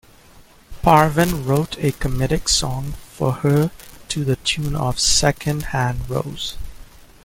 Parvin wrote a comedic song for her to the tune of "Second Hand Rose".